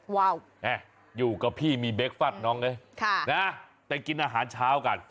เนี่ยอยู่กับพี่มีเบรคฟัสน้องไงค่ะน่ะไปกินอาหารเช้ากัน